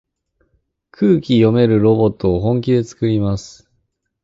空気読めるロボットを本気でつくります。